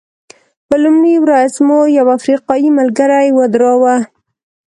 په لومړۍ ورځ مو یو افریقایي ملګری ودراوه.